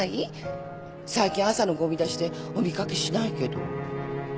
最近朝のごみ出しでお見掛けしないけど。